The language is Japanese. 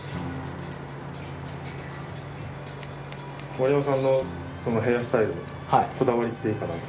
モリヤマさんのヘアスタイルのこだわりっていうか何か。